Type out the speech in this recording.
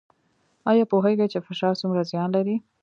ایا پوهیږئ چې فشار څومره زیان لري؟